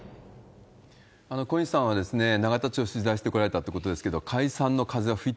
小西さんは、永田町取材してこられたということなんけれども、解散の風は吹い